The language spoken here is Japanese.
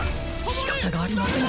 しかたがありません。